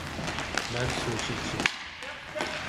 مەن سۇشىچى.